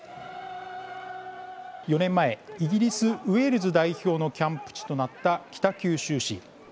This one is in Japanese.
４年前イギリス・ウェールズ代表のキャンプ地となった北九州市。